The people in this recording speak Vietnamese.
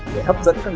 để hấp dẫn các nhóm